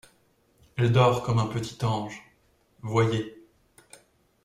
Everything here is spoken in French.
Elle dort comme un petit ange… voyez.